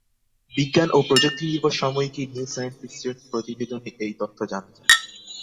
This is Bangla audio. বিজ্ঞান ও প্রযুক্তিনির্ভর সাময়িকী নিউ সায়েন্টিস্টের প্রতিবেদনে এই তথ্য জানা যায়।